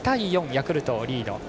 ヤクルトをリード。